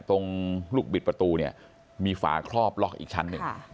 ตรงลูกบิดประตูเนี่ยมีฝาครอบล็อกอีกชั้นหนึ่ง